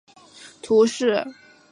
蒙特雷阿莱苏斯人口变化图示